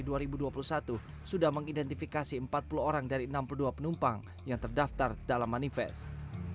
sudah mengidentifikasi empat puluh orang dari enam puluh dua penumpang yang terdaftar dalam manifest